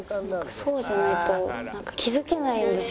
そうじゃないと気づけないんですよね。